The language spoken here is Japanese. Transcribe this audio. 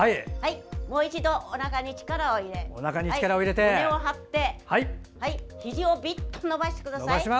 もう一度、おなかに力を入れて胸を張って、ひじをぴっと伸ばしてください。